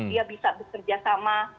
dia bisa bekerjasama